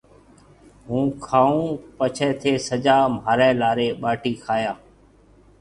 هُون کائون پڇيَ ٿَي سجا مهاريَ لاري ٻاٽِي کائيا۔